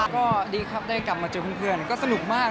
ก็ดีครับได้กลับมาเจอเพื่อนก็สนุกมาก